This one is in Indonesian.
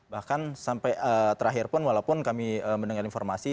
bahkan sampai terakhir pun walaupun kami mendengar informasi